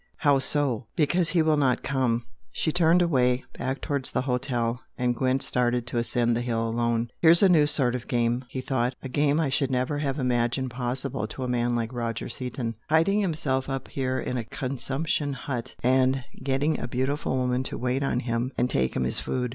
"How so?" "Because he will not come!" She turned away, back towards the Hotel, and Gwent started to ascend the hill alone. "Here's a new sort of game!" he thought "A game I should never have imagined possible to a man like Roger Seaton! Hiding himself up here in a consumption hut, and getting a beautiful woman to wait on him and 'take him his food'!